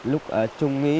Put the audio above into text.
lúc ở trung mỹ